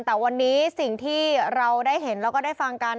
แต่วันนี้สิ่งที่เราได้เห็นแล้วก็ได้ฟังกัน